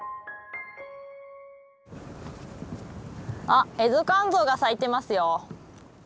あっエゾカンゾウが咲いてますよ。